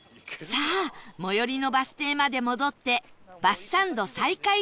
さあ最寄りのバス停まで戻ってバスサンド再開です